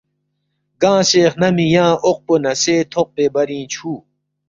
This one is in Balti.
گنگسے خنمی ینگ اوقپو نہ سے تھوق پے برینگ چُھو